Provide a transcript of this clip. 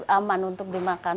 aman untuk dimakan